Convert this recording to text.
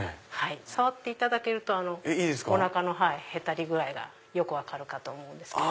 触っていただけるとおなかのへたり具合がよく分かるかと思うんですけど。